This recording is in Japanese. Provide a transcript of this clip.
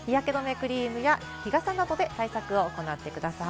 クリームや日傘などで対策を行ってください。